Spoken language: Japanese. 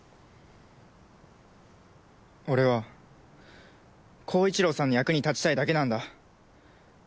俺は洸一郎さんの役に立ちたいだけなんだ。